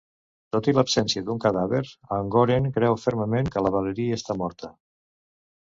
Tot i l'absència d'un cadàver, en Goren creu fermament que la Valerie està morta.